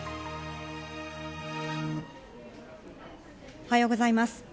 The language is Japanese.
おはようございます。